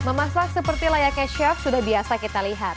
memasak seperti layaknya chef sudah biasa kita lihat